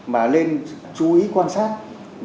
mà nên chú ý quan sát đối tượng